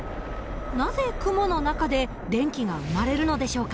なぜ雲の中で電気が生まれるのでしょうか？